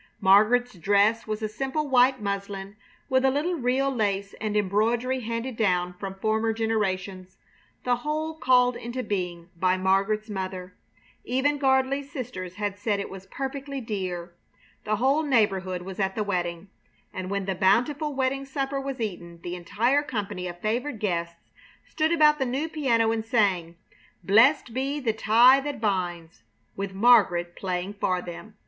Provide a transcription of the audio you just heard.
Margaret's dress was a simple white muslin, with a little real lace and embroidery handed down from former generations, the whole called into being by Margaret's mother. Even Gardley's sisters had said it was "perfectly dear." The whole neighborhood was at the wedding. And when the bountiful wedding supper was eaten the entire company of favored guests stood about the new piano and sang "Blest Be the Tie that Binds" with Margaret playing for them.